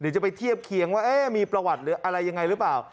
หรือจะไปเทียบเคียงว่ามีประวัติอะไรยังไงหรือเปล่า